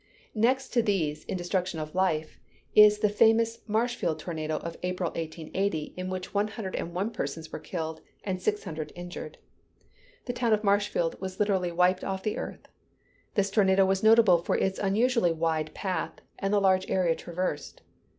Next to these, in destruction of life, is the famous [Illustration: WATER SPOUT AT SEA.] Marshfield tornado of April, 1880, in which one hundred and one persons were killed, and six hundred injured. The town of Marshfield was literally wiped off the earth. This tornado is notable for its unusually wide path, and the large area traversed.